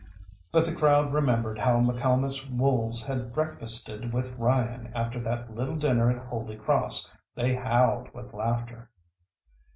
But the crowd remembered how McCalmont's wolves had breakfasted with Ryan after that little dinner at Holy Cross. They howled with laughter.